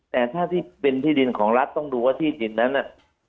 แต่ถ้าที่เป็นที่ดินของรัฐต้องดูว่าที่ดินนั้นน่ะ